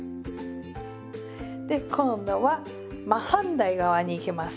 で今度は真反対側にいきます。